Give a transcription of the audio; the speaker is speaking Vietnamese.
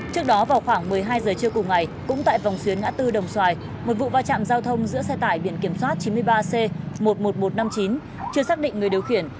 trước đó vào khoảng một mươi hai giờ trưa cùng ngày cũng tại vòng xuyến ngã tư đồng xoài một vụ va chạm giao thông giữa xe tải biển kiểm soát chín mươi ba c một mươi một nghìn một trăm năm mươi chín chưa xác định người điều khiển